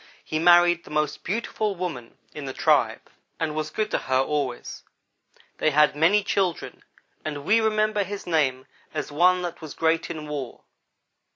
He married the most beautiful woman in the tribe and was good to her always. They had many children, and we remember his name as one that was great in war.